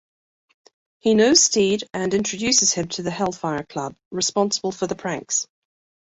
He knows Steed and introduces him to the Hellfire Club, responsible for the pranks.